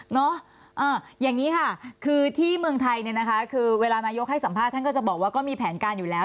อย่างนี้ค่ะคือที่เมืองไทยเนี่ยนะคะคือเวลานายกให้สัมภาษณ์ท่านก็จะบอกว่าก็มีแผนการอยู่แล้ว